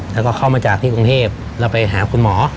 แล้วก็เข้ามาจากที่กรุงเทพแล้วไปหาคุณหมอ